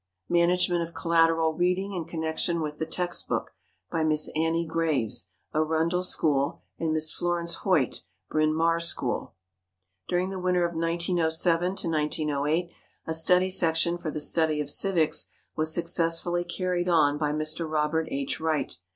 "Management of Collateral Reading in Connection with the Text Book," by Miss Annie Graves, Arundell School, and Miss Florence Hoyt, Bryn Mawr School. During the winter of 1907 08 a study section for the study of civics was successfully carried on by Mr. Robert H. Wright.